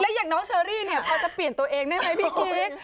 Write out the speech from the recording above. อย่างน้องเชอรี่เนี่ยพอจะเปลี่ยนตัวเองได้ไหมพี่กิ๊ก